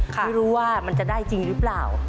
ไม่รู้ว่ามันจะได้จริงหรือเปล่า